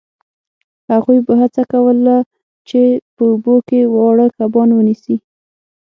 هغوی به هڅه کوله چې په اوبو کې واړه کبان ونیسي